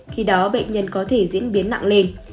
khi đó bệnh nhân có thể diễn biến nặng lên